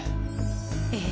ええ。